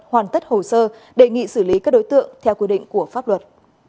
hoàn tất hồ sơ đề nghị xử lý các đối tượng theo quy định của pháp luật